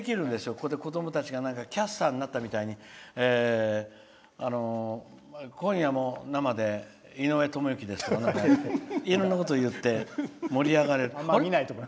ここで子供たちがキャスターになったみたいに「今夜も生で井上知幸」ですとか言っていろんなことを言って盛り上がる。